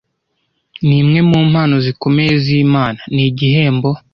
ni imwe mu mpano zikomeye z'Imana, ni igihembo.